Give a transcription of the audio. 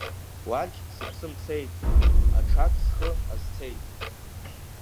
Уагь сыԥсы мцеит, аҽак схы азцеит.